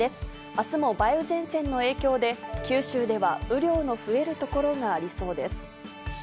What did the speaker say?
あすも梅雨前線の影響で、九州では雨量の増える所がありそうです。